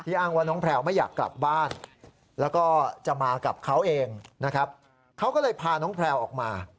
อ้างว่าน้องแพลวไม่อยากกลับบ้านแล้วก็จะมากับเขาเองนะครับเขาก็เลยพาน้องแพลวออกมา